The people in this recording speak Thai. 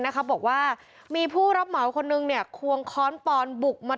นะคะบอกว่ามีผู้รับหมายคนหนึ่งเนี่ยควงค้อนปลบุกมา